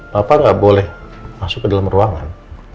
bapak nggak boleh masuk ke dalam ruangan